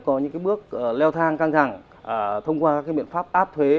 có những cái bước leo thang căng thẳng thông qua các cái biện pháp áp thuế